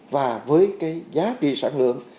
và với cái giá trị sản lượng